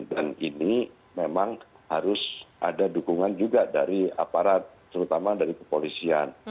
dan ini memang harus ada dukungan juga dari aparat terutama dari kepolisian